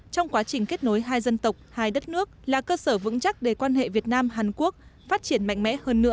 trong quá trình kết nối hai dân tộc hai đất nước là cơ sở vững chắc để quan hệ việt nam hàn quốc phát triển mạnh mẽ hơn nữa